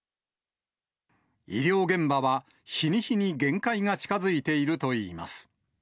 医療現場は日に日に限界が近づいているといいます。